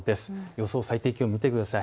予想最低気温、見てください。